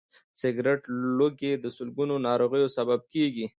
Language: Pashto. د سګرټ لوګی د سلګونو ناروغیو سبب کېږي.